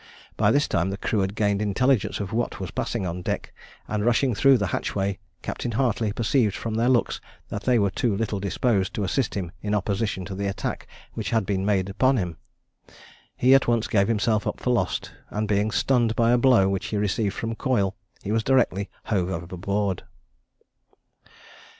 By this time the crew had gained intelligence of what was passing on deck, and, rushing through the hatchway, Capt. Hartley perceived from their looks that they were too little disposed to assist him in opposition to the attack which had been made upon him. He at once gave himself up for lost; and, being stunned by a blow which he received from Coyle, he was directly hove overboard.